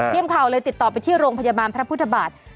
ทีมข่าวเลยติดต่อไปที่โรงพยาบาลพระพุทธบาท